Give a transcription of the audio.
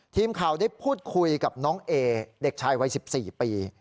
ทีมข่าวได้พูดคุยกับน้องเอเด็กชายวัย๑๔ปี